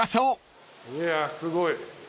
いやすごい。